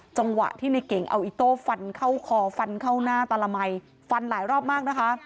จังหวะที่ในเก่งเอาอิโต้ฟันเข้าคอฟันเข้าหน้าตาละมัยฟันหลายรอบมากนะคะ